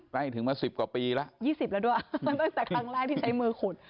ใกล้ถึงมาสิบกว่าปีแล้ว๒๐แล้วด้วยตั้งแต่ครั้งแรกที่ใช้มือขุด